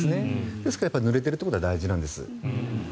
ですからぬれていることは大事なんです。